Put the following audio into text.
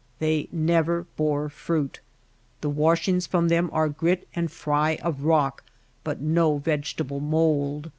They never bore fruit. The washings from them are grit and fry of rock but no vegetable mould.